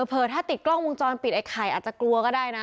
เผลถ้าติดกล้องวงจรปิดไอ้ไข่อาจจะกลัวก็ได้นะ